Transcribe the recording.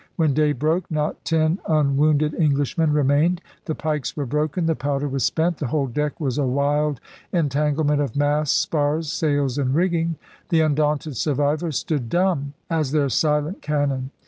When day broke not ten unwounded Englishmen remained. The pikes were broken. The powder was spent. The whole deck was a wild entangle ment of masts, spars, sails, and rigging. The undaunted survivors stood dumb as their silent cannon.